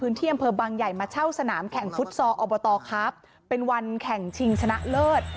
พื้นเยียมพระบางใหญ่มาเช่าสนามแข่งฟุตซอร์อบทครับเป็นวันแข่งชิงชนะเลิศ